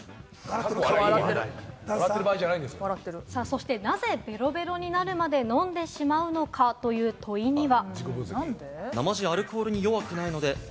そして、なぜベロベロになるまで飲んでしまうのかという問いには。